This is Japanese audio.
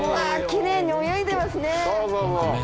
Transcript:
きれいに泳いでますね。